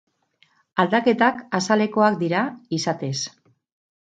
Aldaketak azalekoak dira, izatez.